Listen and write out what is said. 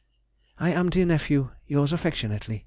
I am, dear nephew, Yours affectionately, C.